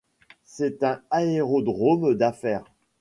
C'est un aérodrome d'affaires.